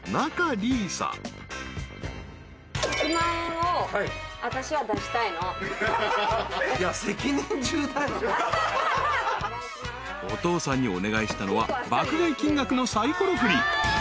［お父さんにお願いしたのは爆買い金額のさいころ振り］